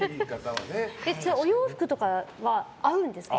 ちなみにお洋服とかは合うんですか？